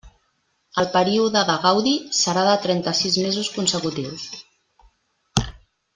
El període de gaudi serà de trenta-sis mesos consecutius.